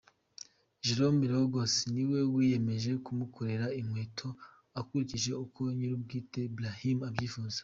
Jerome Liegeon niwe wiyemeje kumukorera inkweto ukurikije uko nyir’ubwite Brahim abyifuza.